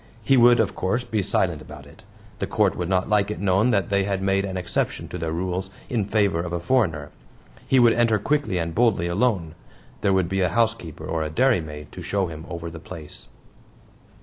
He would, of course, be silent about it; the Court would not like it known that they had made an exception to their rules in favor of a foreigner; he would enter quickly and boldly alone. There would be a housekeeper or a dairymaid to show him over the place.